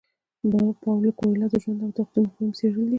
پاولو کویلیو د ژوند او تقدیر مفاهیم څیړلي دي.